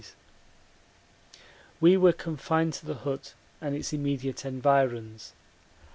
We were confined to the hut and its immediate environs.